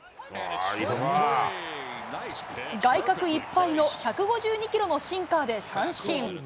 外角いっぱいの１５２キロのシンカーで三振。